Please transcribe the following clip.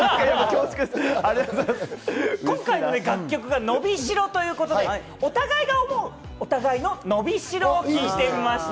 今回の楽曲『のびしろ』ということでお互いが思うお互いの、のびしろを聞いてみました。